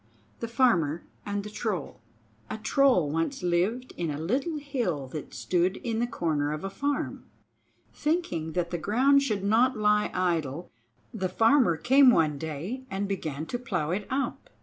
The Farmer and the Troll A troll once lived in a little hill that stood in the corner of a farm. Thinking that the ground should not lie idle the Farmer came one day and began to plow it up.